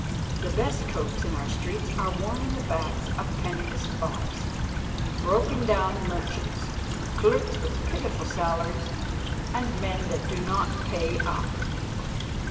The best coats in our streets are worn on the backs of penniless fops, broken down merchants, clerks with pitiful salaries, and men that do not pay up.